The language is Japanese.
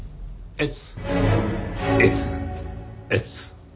「えつ」。